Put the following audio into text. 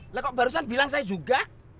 lah kok barusan bilang saya juga